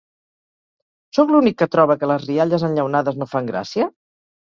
Sóc l'únic que troba que les rialles enllaunades no fan gràcia?